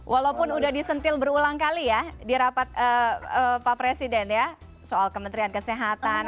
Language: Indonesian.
walaupun sudah disentil berulang kali ya di rapat pak presiden ya soal kementerian kesehatan